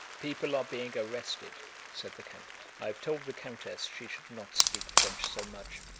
"People are being arrested..." said the count. "I've told the countess she should not speak French so much.